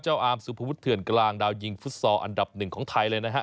อาร์มสุภวุฒิเถื่อนกลางดาวยิงฟุตซอลอันดับหนึ่งของไทยเลยนะฮะ